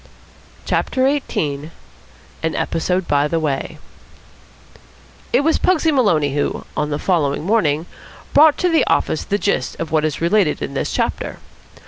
CHAPTER XVIII AN EPISODE BY THE WAY It was Pugsy Maloney who, on the following morning, brought to the office the gist of what is related in this chapter.